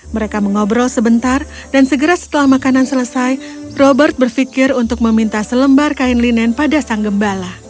mereka mengobrol sebentar dan segera setelah makanan selesai robert berfikir untuk meminta selembar kain linen pada sang gembala